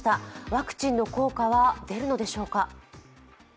ワクチンの効果は出るのでしょうか。